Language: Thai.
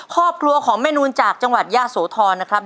ครอบครัวของแม่นูนจากจังหวัดยะโสธรนะครับ